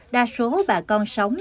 đa số bà con sống